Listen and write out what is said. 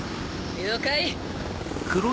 了解！